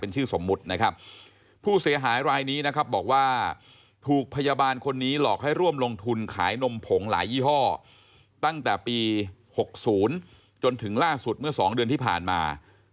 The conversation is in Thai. จนถึงล่าสุดเมื่อสองเดือนที่ผ่านมา